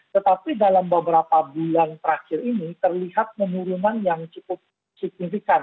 tetapi dalam beberapa bulan terakhir ini terlihat penurunan yang cukup signifikan